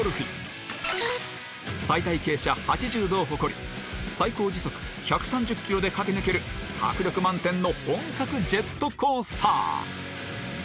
最大傾斜８０度を誇り最高時速１３０キロで駆け抜ける迫力満点の本格ジェットコースター